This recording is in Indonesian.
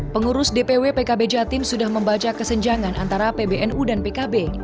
pengurus dpw pkb jatim sudah membaca kesenjangan antara pbnu dan pkb